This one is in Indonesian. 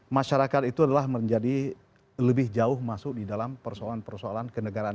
masyarakat itu adalah menjadi lebih jauh masuk di dalam persoalan persoalan kenegaraan